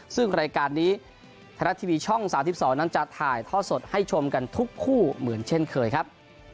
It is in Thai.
ซึ่งรายการนี้ไทยรัฐทีวีช่อง๓๒นั้นจะถ่ายท่อสดให้ชมกันทุกคู่เหมือนเช่นเคยครับ